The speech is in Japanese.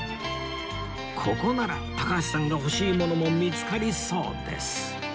ここなら高橋さんが欲しいものも見つかりそうです